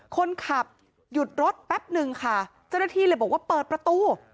คนขับหยุดรถแป๊บหนึ่งค่ะเจ้าหน้าที่เลยบอกว่าเปิดประตู